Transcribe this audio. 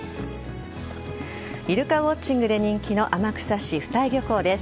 イルカウォッチングで人気の天草市二江漁港です。